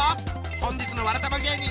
本日のわらたま芸人